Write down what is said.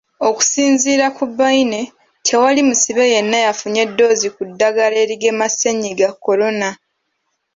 Okusinziira ku Baine tewali musibe yenna yafunye ddoozi ku ddagala erigema Ssennyiga Corona.